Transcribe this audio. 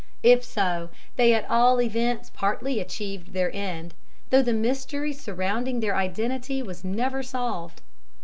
If so, they at all events partly achieved their end, though the mystery surrounding their identity was never solved.